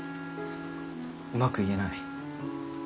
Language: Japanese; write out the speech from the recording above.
うまく言えない。